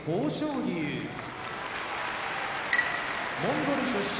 龍モンゴル出身